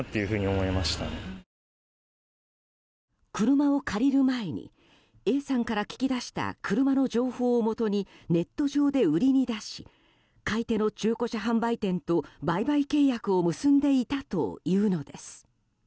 車を借りる前にＡさんから聞き出した車の情報をもとにネット上で売りに出し買い手の中古車販売店と売買契約を結んでいたというのです。